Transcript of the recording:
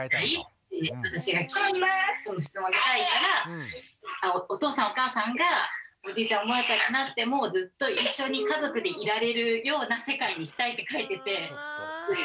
って私が質問で書いたら「お父さんお母さんがおじいちゃんおばあちゃんになってもずっと一緒に家族でいられるような世界にしたい」って書いてて。